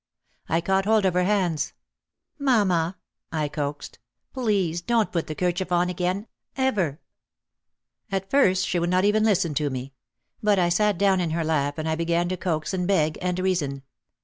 I caught hold of her hands. "Mamma," I coaxed, "please don't put the kerchief on again— ever !" At first she would not even listen to me. But I sat down in her lap and I began to coax and beg and reason.